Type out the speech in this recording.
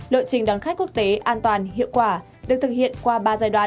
lộ trình đón khách quốc tế an toàn hiệu quả được thực hiện qua ba giai đoạn